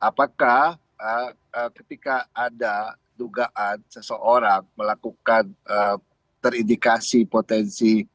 apakah ketika ada dugaan seseorang melakukan terindikasi potensi